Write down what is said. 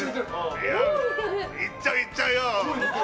行っちゃう、行っちゃうよ。